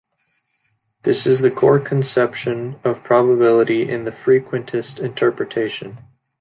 This is the core conception of probability in the frequentist interpretation.